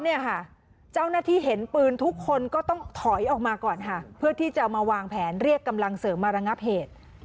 เจ้าหน้าที่เห็นปืนทุกคนก็ต้องถอยออกมาก่อนค่ะเพื่อที่จะมาวางแผนเรียกกำลังเสริมมาระงับเหตุ